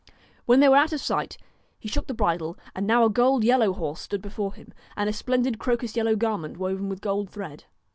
When they were out of sight, he shook the bridle, and now a gold yellow horse stood before him, and a splendid crocus yellow garment woven with gold thread.